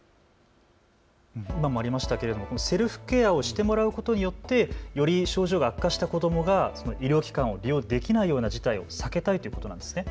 今もありましたけどセルフケアをしてもらうことによってより症状が悪化した子どもが医療機関を利用できないような事態を避けたいということなんですね。